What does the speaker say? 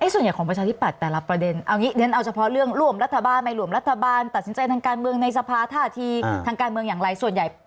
ส่วนใหญ่ของประชาธิปัตย์แต่ละประเด็นเอางี้เดี๋ยวเอาเฉพาะเรื่องร่วมรัฐบาลไม่ร่วมรัฐบาลตัดสินใจทางการเมืองในสภาท่าทีทางการเมืองอย่างไรส่วนใหญ่